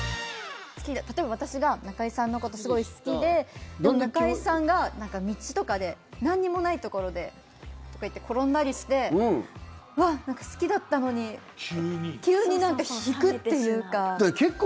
例えば私が中居さんのことすごい好きで中居さんが道とかで何もないところでこうやって転んだりしてうわ、なんか好きだったのに急になんか引くっていうか。